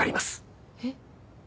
えっ？